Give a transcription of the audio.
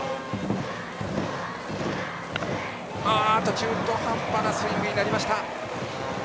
中途半端なスイングになりました。